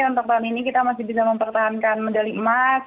untuk tahun ini kita masih bisa mempertahankan medali emas